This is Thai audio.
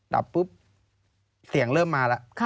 ดับปุ๊บเสียงเริ่มมาแล้ว